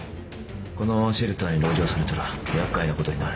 このシェルターに籠城されたら厄介なことになる。